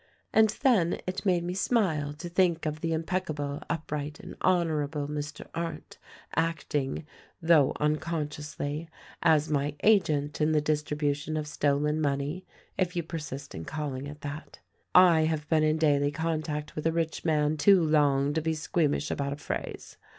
"And then, it made me smile to think of the impeccable, upright and honorable Mr. Arndt acting (though uncon sciously) as my agent in the distribution of stolen money — if you persist in calling it that. I have been in daily con tact with a rich man too long to be squeamish about a phrase.